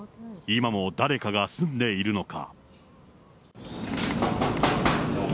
今も誰かが住んでいるのか。